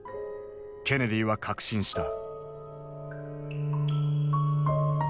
ケネディは確信した。